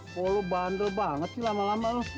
polo bandel banget sih lama lama lo